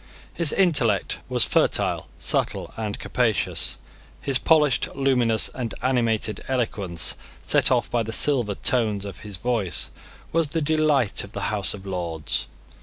His intellect was fertile, subtle, and capacious. His polished, luminous, and animated eloquence, set off by the silver tones of his voice, was the delight of the House of Lords.